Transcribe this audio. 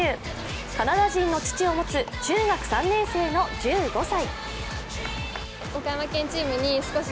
カナダ人の父を持つ中学３年生の１５歳。